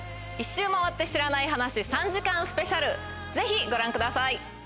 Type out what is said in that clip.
『１周回って知らない話』３時間スペシャル、ぜひご覧ください。